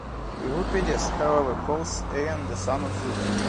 Euripides, however, calls Aion the son of Zeus.